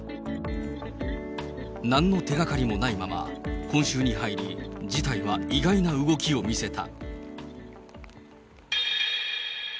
なんの手がかりもないまま、今週に入り、事態は意外な動きを見せた。